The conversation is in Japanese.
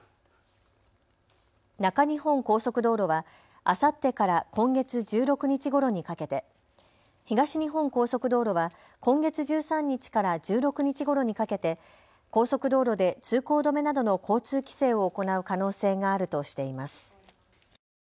中日本高速道路はあさってから今月１６日ごろにかけて、東日本高速道路は今月１３日から１６日ごろにかけて高速道路で通行止めなどの交通規制を行う可能性があるとしています。